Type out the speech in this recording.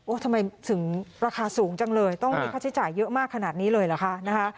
ทำไมถึงราคาสูงจังเลยต้องมีค่าใช้จ่ายเยอะมากขนาดนี้เลยเหรอคะนะคะ